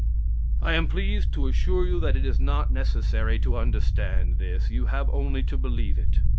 [Reads the decree.] I am pleased to assure you that it is not necessary to understand this. You have only to believe it.